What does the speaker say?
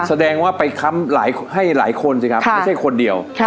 แสดงว่าไปค้ำให้หลายคนสิครับไม่ใช่คนเดียว